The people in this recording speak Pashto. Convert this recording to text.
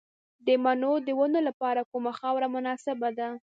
د مڼو د ونو لپاره کومه خاوره مناسبه ده؟